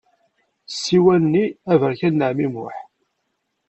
Ssiwan-nni aberkan n ɛemmi Muḥ.